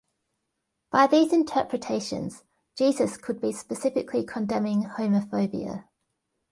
By these interpretations Jesus could be specifically condemning homophobia.